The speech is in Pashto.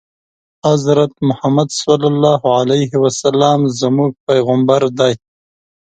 حضرت محمد ص زموږ پیغمبر دی